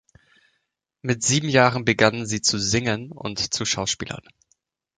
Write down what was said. Mit sieben Jahren begann sie zu singen und zu schauspielern.